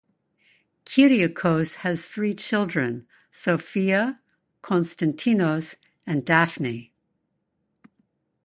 Kyriakos has three children, Sofia, Konstantinos and Dafni.